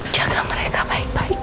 jaga mereka baik baik